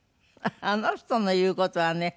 あの人の言う事はね